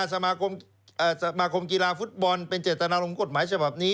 สมาคมกีฬาฟุตบอลเป็นเจตนารมณ์กฎหมายฉบับนี้